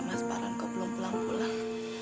mana ya mas baran kok belum pulang pulang